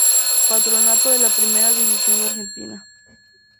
Patronato de la Primera División de Argentina.